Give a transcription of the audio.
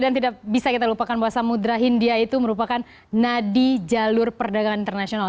dan tidak bisa kita lupakan bahwa samudera india itu merupakan nadi jalur perdagangan internasional